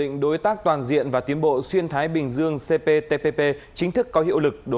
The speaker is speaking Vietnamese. các đoàn kiểm tra khác